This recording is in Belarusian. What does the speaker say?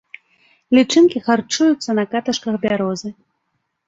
Лічынкі харчуюцца на каташках бярозы.